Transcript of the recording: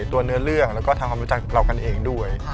ตัวเนื้อเรื่องแล้วก็ทำความรู้จักเรากันเองด้วย